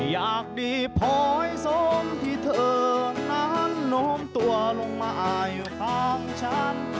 อยากดีพอยสมที่เธอนั้นโน้มตัวลงมาอายอยู่ข้างฉัน